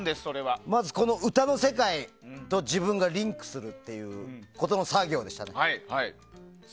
まず、歌の世界と自分がリンクするということの作業でした。